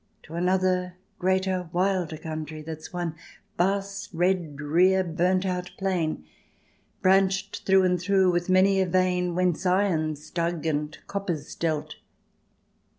To another, greater, wilder country That's one vast red, drear, burnt out plain. Branched through and through with many a vein Whence iron's dug and copper's dealt.